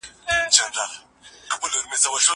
زه کولای شم دا کار وکړم!؟